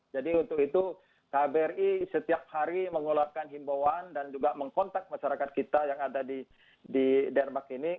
jadi untuk itu kbri setiap hari mengeluarkan himbauan dan juga mengkontak masyarakat kita yang ada di denmark ini